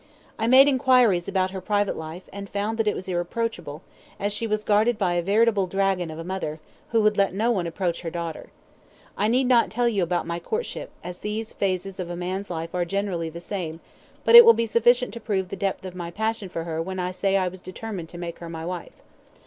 I made enquiries about her private life, and found that it was irreproachable, as she was guarded by a veritable dragon of a mother, who would let no one approach her daughter. I need not tell about my courtship, as these phases of a man's life are generally the same, but it will be sufficient to prove the depth of my passion for her when I say that I determined to make her my wife.